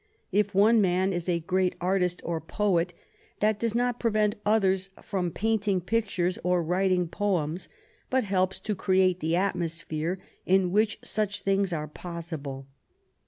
If one man is a great artist or poet, that does not prevent others from painting pictures or writing poems, but helps to create the atmosphere in which such things are possible.